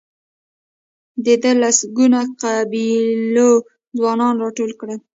ده د لسګونو قبیلو ځوانان راټول کړل.